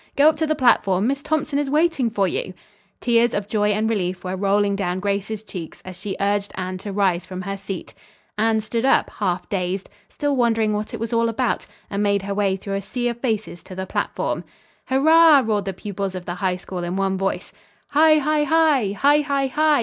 Go up to the platform. Miss Thompson is waiting for you." Tears of joy and relief were rolling down Grace's cheeks as she urged Anne to rise from her seat. Anne stood up, half dazed, still wondering what it was all about, and made her way through a sea of faces to the platform. "Hurrah!" roared the pupils of the High School in one voice. "Hi hi hi! Hi hi hi!